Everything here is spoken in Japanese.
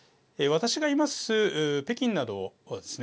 私がいます北京などはですね